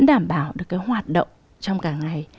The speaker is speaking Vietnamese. đảm bảo được cái hoạt động trong cả ngày